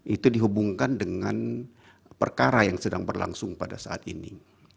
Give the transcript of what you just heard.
itu dihubungkan dengan perkara yang sedang berlangsung pada saat ini